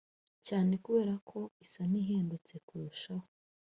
com) cyane kubera ko isa n’ihendutse kurushaho